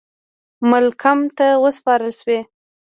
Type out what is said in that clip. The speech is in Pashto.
مالکم ته وسپارل سوې.